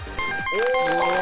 お！